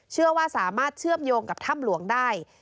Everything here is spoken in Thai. เชื่อว่าสามารถเชื่อมโยงกับถ้ำหลวงได้